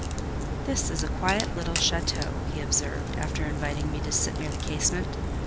"This is a quiet little château," he observed, after inviting me to sit near the casement.